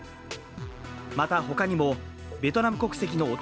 また、ほかにもベトナム国籍の男